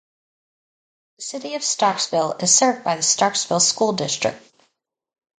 The City of Starkville is served by the Starkville School District.